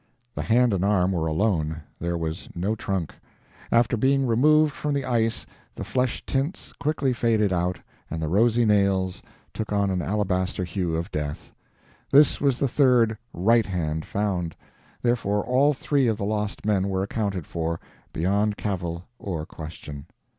The hand and arm were alone; there was no trunk. After being removed from the ice the flesh tints quickly faded out and the rosy nails took on the alabaster hue of death. This was the third RIGHT hand found; therefore, all three of the lost men were accounted for, beyond cavil or question.